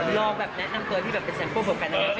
ลองแบบนั้นทั้งตัวที่เป็นแสงพวกเหล่ากัน